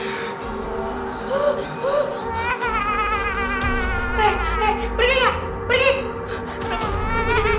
eh eh pergi gak pergi